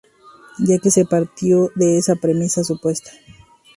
Ya que se ha partido de esa premisa supuesta.